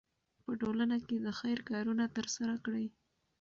په ټولنه کې د خیر کارونه ترسره کړئ.